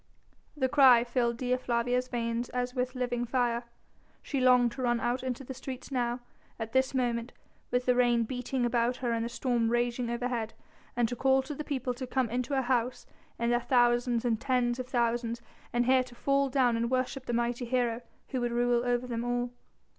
The cry filled Dea Flavia's veins as with living fire. She longed to run out into the streets now, at this moment, with the rain beating about her and the storm raging overhead, and to call to the people to come into her house, in their thousands and tens of thousands, and here to fall down and worship the mighty hero who would rule over them all.